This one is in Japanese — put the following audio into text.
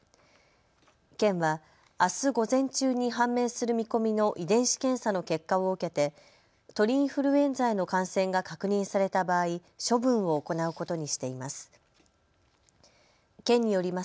県はあす午前中に判明する見込みの遺伝子検査の結果を受けて鳥インフルエンザへの感染が確認された場合、処分を行うことにしています。